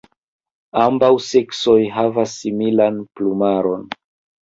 Ambaŭ seksoj havas similan plumaron.